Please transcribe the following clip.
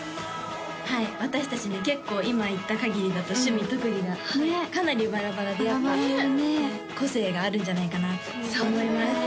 はい私達ね結構今言ったかぎりだと趣味特技がかなりバラバラでバラバラだね個性があるんじゃないかなと・そう思います